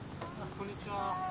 こんにちは。